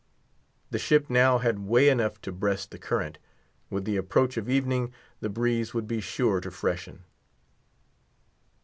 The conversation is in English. The ship now had way enough to breast the current. With the approach of evening, the breeze would be sure to freshen.